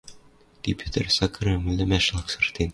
Ти патыр Сакарым ӹлӹмӓш лаксыртен.